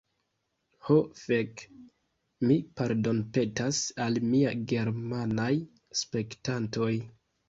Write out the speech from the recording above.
Ho fek'... mi pardonpetas al mia germanaj spektantoj!